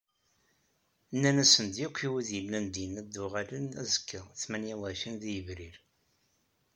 Nnan-asen-d yakk i wid yellan din ad d-uɣalen azekka tmara u εecrin deg yebrir